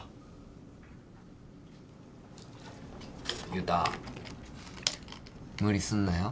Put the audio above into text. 悠太無理すんなよ。